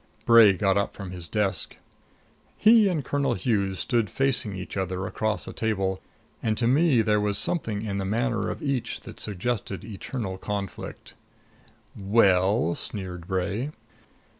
Bray got up from his desk. He and Colonel Hughes stood facing each other across a table, and to me there was something in the manner of each that suggested eternal conflict. "Well?" sneered Bray.